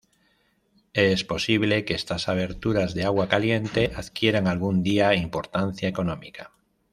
Es posible que estas aberturas de agua caliente adquieran algún día importancia económica.